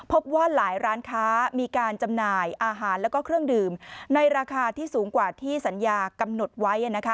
พบว่าหลายร้านค้ามีการจำหน่ายอาหารแล้วก็เครื่องดื่มในราคาที่สูงกว่าที่สัญญากำหนดไว้